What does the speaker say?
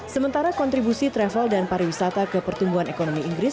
sementara kontribusi travel dan pariwisata ke pertumbuhan ekonomi inggris